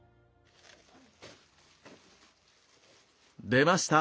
出ました